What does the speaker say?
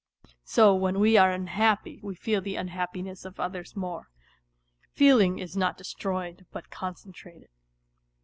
So when we are unhappy we feel the unhappi ness of others more ; feeling is not destroyed but concentrated.